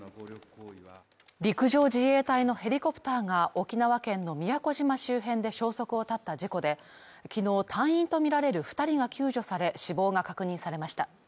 陸上自衛隊のヘリコプターが沖縄県の宮古島周辺で消息を絶った事故で、昨日隊員とみられる２人が救助され、死亡が確認されました。